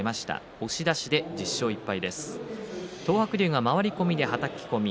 押し出しで１０勝１敗。